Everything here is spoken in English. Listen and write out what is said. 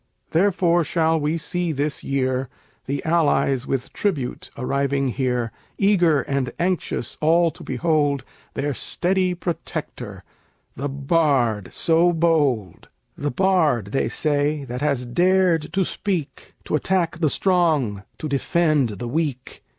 Therefore shall we see, this year, The allies with tribute arriving here, Eager and anxious all to behold Their steady protector, the bard so bold; The bard, they say, that has dared to speak, To attack the strong, to defend the weak.